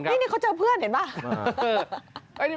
นี่เขาเจอเพื่อนเห็นป่ะ